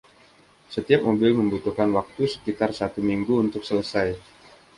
Setiap mobil membutuhkan waktu sekitar satu minggu untuk selesai.